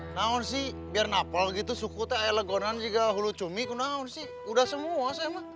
nah kan biar napal gitu suku teh air legonan juga hulu cumi kan udah semua sih emang